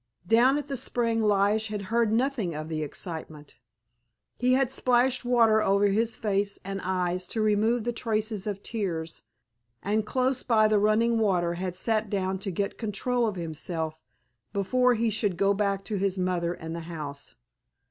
_" Down at the spring Lige had heard nothing of the excitement. He had splashed water over his face and eyes to remove the traces of tears, and close by the running water had sat down to get control of himself before he should go back to his mother and the house.